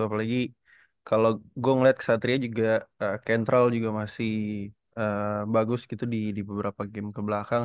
apalagi kalo gue ngeliat ksatria juga eh kentral juga masih eh bagus gitu di di beberapa game kebelakang